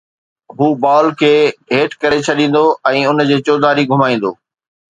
هو بال کي هيٺ ڪري ڇڏيندو ۽ ان جي چوڌاري گھمائيندو